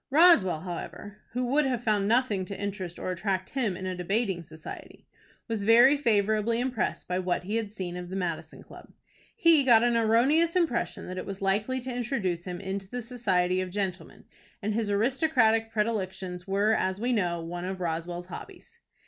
Roswell, however, who would have found nothing to interest or attract him in a Debating Society, was very favorably impressed by what he had seen of the Madison Club. He got an erroneous impression that it was likely to introduce him into the society of gentlemen, and his aristocratic predilections were, as we know, one of Roswell's hobbies.